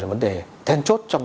là vấn đề then chốt